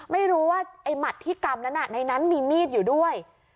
ไม่รู้ว่าไอ้หมัดที่กำนั้นในนั้นมีมีดอยู่ด้วย